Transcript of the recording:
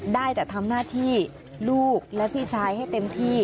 ได้แต่ทำหน้าที่ลูกและพี่ชายให้เต็มที่